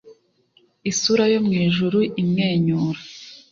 isura yo mwijuru imwenyura